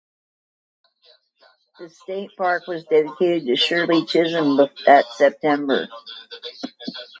The state park was dedicated to Shirley Chisholm that September.